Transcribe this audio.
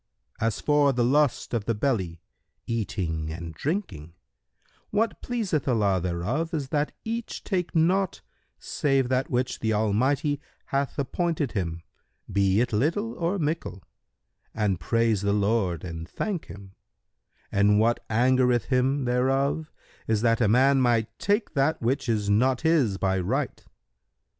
As for the lust of the belly, eating and drinking, what pleaseth Allah thereof is that each take naught save that which the Almighty hath appointed him be it little or mickle, and praise the Lord and thank Him; and what angereth Him thereof is that a man take that which is not his by right.